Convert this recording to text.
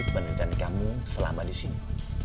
penelitian kamu selama disini